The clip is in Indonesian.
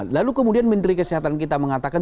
lalu kemudian menteri kesehatan kita mengatakan